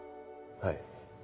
はい。